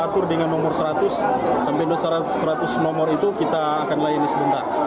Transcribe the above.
kita akan melatur dengan nomor seratus sampai seratus nomor itu kita akan layani sebentar